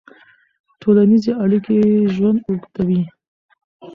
ټولنیزې اړیکې ژوند اوږدوي.